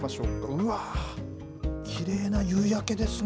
うわー、きれいな夕焼けですね。